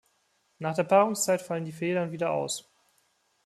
Nach der Paarungszeit fallen die Federn wieder aus.